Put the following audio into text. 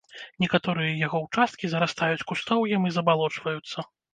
Некаторыя яго ўчасткі зарастаюць кустоўем і забалочваюцца.